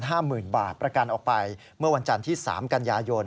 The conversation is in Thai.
จับประกันออกไปเมื่อวันจันทร์ที่๓กันยายน